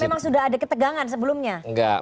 atau memang sudah ada ketegangan sebelumnya enggak